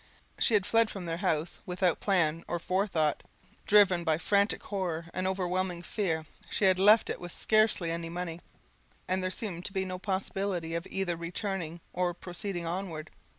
She had fled from their house without plan or forethought driven by frantic horror and overwhelming fear, she had left it with scarcely any money, and there seemed to her no possibility of either returning or proceeding onward.